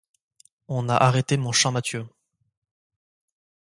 On a arrêté mon Champmathieu.